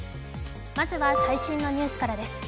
まずは最新のニュースからです。